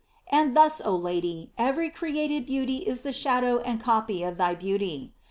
And thus, oh Lady, every created beauty is the shadow and copy of thy beauty.